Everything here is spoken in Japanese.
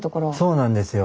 そうなんですよ。